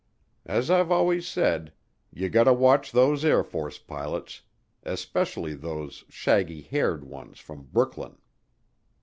As I've always said, "Ya gotta watch those Air Force pilots especially those shaggy haired ones from Brooklyn."